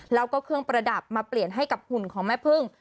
แล้วก็เครื่องประดับมาเปลี่ยนให้กับหุ่นของแม่พึ่ง